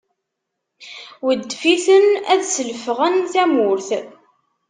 Weddef-iten ad slefɣen tamurt.